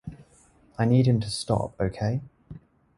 I need him to stop, okay?